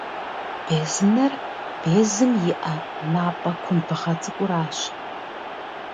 Безынэр безым иӏэ напӏэ кумбыгъэ цӏыкӏуращ.